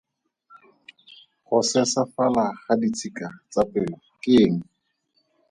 Go sesafala ga ditshika tsa pelo ke eng?